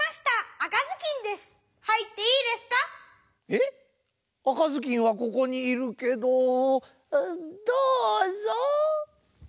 赤ずきんはここにいるけどどうぞ。